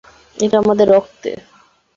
এটা আমাদের রক্তে।